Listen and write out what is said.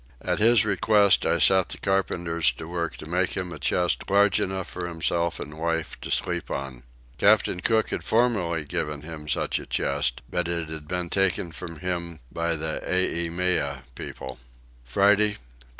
At his request I set the carpenters to work to make him a chest large enough for himself and wife to sleep on. Captain Cook had formerly given him such a chest but it had been taken from him by the Eimeo people. Friday 21.